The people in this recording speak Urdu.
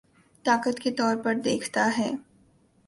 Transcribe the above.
طاقت کے طور پر دیکھتا ہے